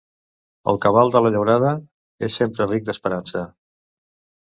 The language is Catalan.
El cabal de la llaurada és sempre ric d'esperança.